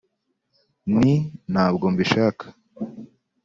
Nti: ntabwo mbishaka,